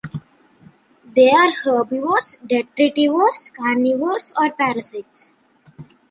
They are herbivores, detritivores, carnivores or parasites.